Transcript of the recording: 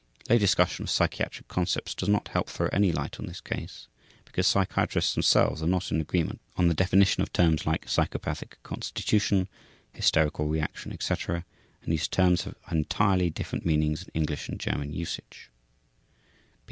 _ Lay discussion of psychiatric concepts does not help throw any light on this case, because psychiatrists themselves are not in agreement on the definition of terms like "psychopathic constitution", "hysterical reaction", etc., and these terms have entirely different meanings in English and German usage.